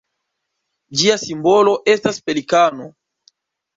Ĝia simbolo estas pelikano.